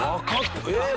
えっ？